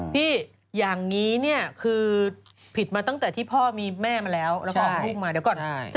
พี่ยังงี้เนี่ยคือผิดมาตั้งแต่ที่พ่อเลยมีแม่มาแล้วแล้วก็ออกคลุกมา